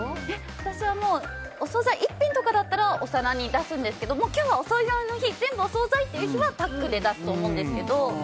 私はお総菜、１品とかだったらお皿に出すんですけど今日は全部お総菜っていう日はパックで出すと思うんですけど。